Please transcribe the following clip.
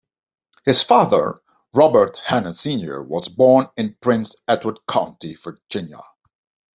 His father, Robert Hanna Senior was born in Prince Edward County, Virginia.